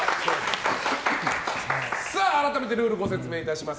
改めて、ルールをご説明いたします。